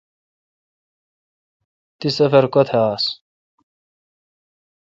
تی سفر کوتھ آس۔